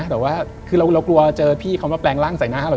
แต่ว่าคือเรากลัวเจอพี่เขามาแปลงร่างใส่หน้าเรา